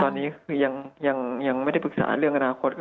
ตอนนี้คือยังไม่ได้ปรึกษาเรื่องอนาคต